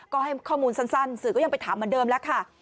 ก็ให้ข้อมูลสั้นสื่อก็ยังไปถามเหมือนเดิมแล้วค่ะ